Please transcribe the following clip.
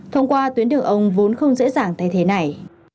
thông qua tuyến đường ông vốn không dễ dàng thay thế này